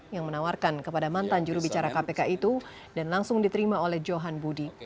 yang menawarkan kepada mantan jurubicara kpk itu dan langsung diterima oleh johan budi